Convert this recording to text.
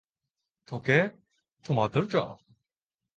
時計、止まってるじゃん